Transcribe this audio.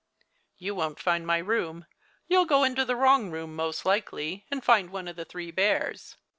" You won't find my room. You'll go into the wrong room most likely, and find one of the three bears."